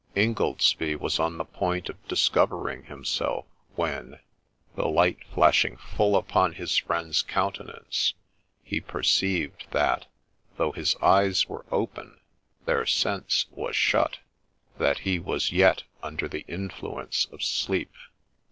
Ingoldsby was on the point of discovering himself, wben, the light flashing full upon his friend's countenance, he per ceived that, though his eyes were open, ' their sense was shut,' — that he was yet under the influence of sleep.